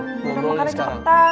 ngomong karena cepetan